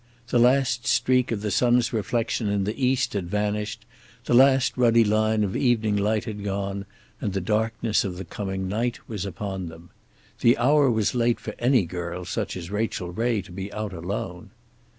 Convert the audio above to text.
The last streak of the sun's reflection in the east had vanished, the last ruddy line of evening light had gone, and the darkness of the coming night was upon them. The hour was late for any girl such as Rachel Ray to be out alone.